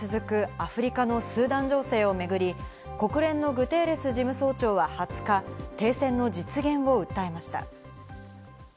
アフリカのスーダン情勢をめぐり、国連のグテーレス事務総長は２０日、停戦の実現を訴えました。